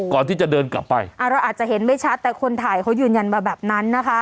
ก่อนที่จะเดินกลับไปอ่าเราอาจจะเห็นไม่ชัดแต่คนถ่ายเขายืนยันมาแบบนั้นนะคะ